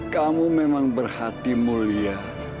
kamu memang berhati mulia